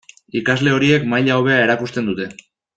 Ikasle horiek maila hobea erakusten dute.